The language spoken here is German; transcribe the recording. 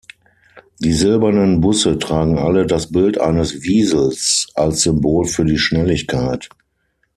Die silbernen Busse tragen alle das Bild eines Wiesels als Symbol für die Schnelligkeit.